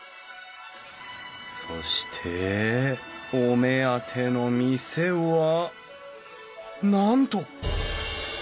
そしてお目当ての店はなんと！